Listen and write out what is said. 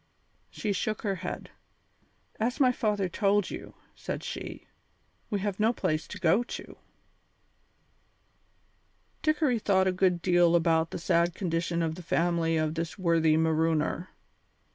She shook her head. "As my father told you," said she, "we have no place to go to." Dickory thought a good deal about the sad condition of the family of this worthy marooner.